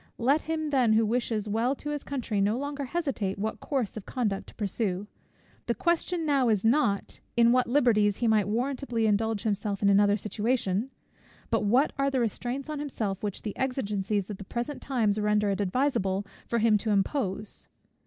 Let him then, who wishes well to his country, no longer hesitate what course of conduct to pursue. The question now is not, in what liberties he might warrantably indulge himself in another situation? but what are the restraints on himself which the exigencies of the present times render it adviseable for him to impose?